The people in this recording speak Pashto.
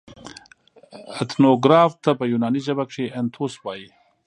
اتنوګراف ته په یوناني ژبه کښي انتوس وايي.